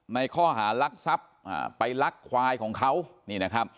ในข้อหารักทรัพย์ไปลักควายของเขานี่นะครับ